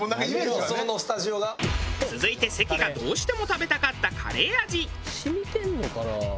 続いて関がどうしても食べたかったカレー味。